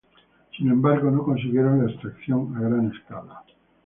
Sin embargo, no consiguieron la extracción a gran escala.